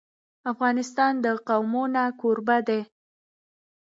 افغانستان د قومونه کوربه دی.